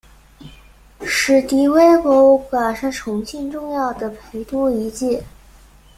史迪威博物馆是重庆重要的陪都遗迹。